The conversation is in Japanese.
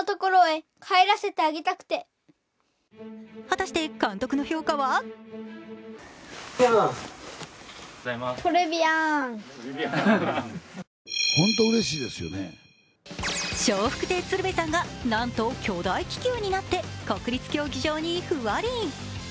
果たして、監督の評価は笑福亭鶴瓶さんがなんと巨大気球になって国立競技場にふわり。